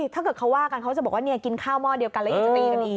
ถ้าเกิดเขาว่ากันเขาจะบอกว่ากินข้าวหม้อเดียวกันแล้วยังจะตีกันอีก